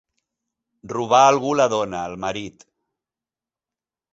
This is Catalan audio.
Robar a algú la dona, el marit.